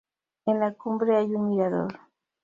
En la cumbre hay un mirador.